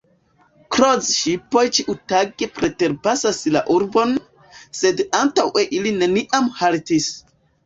Kroz-ŝipoj ĉiutage preterpasas la urbon, sed antaŭe ili neniam haltis.